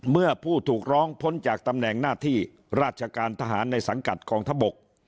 เมื่อผู้ถูกร้องพ้นจากตำแหน่งหน้าที่ราชการทหารในสังกัดกองทัพบก